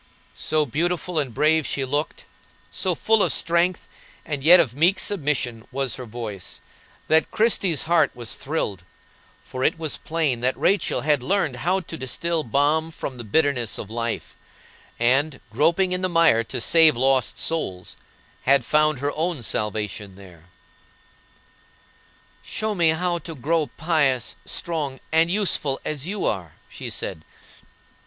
So beautiful and brave she looked, so full of strength and yet of meek submission was her voice, that Christie's heart was thrilled; for it was plain that Rachel had learned how to distil balm from the bitterness of life, and, groping in the mire to save lost souls, had found her own salvation there. "Show me how to grow pious, strong, and useful, as you are," she said.